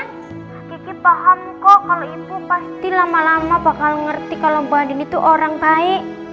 kiki paham kok kalo ibu pasti lama lama bakal ngerti kalo mbak andin itu orang baik